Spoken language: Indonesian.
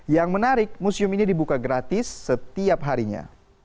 yang menarik museum ini dibuka gratis setiap harinya